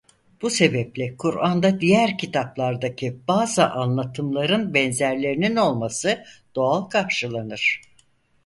Bu sebeple Kur'an'da diğer kitaplardaki bazı anlatımların benzerlerinin olması doğal karşılanır.